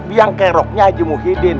biang keroknya aji muhyiddin